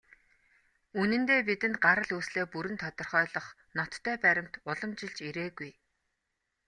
Үнэндээ, бидэнд гарал үүслээ бүрэн тодорхойлох ноттой баримт уламжилж ирээгүй.